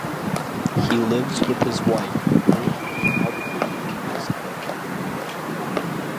He lives with his wife, Ruth, in Albuquerque, New Mexico.